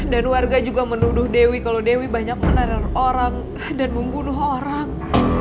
dan warga juga menuduh dewi kalau dewi banyak menaruh orang dan membunuh orang